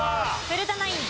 古田ナイン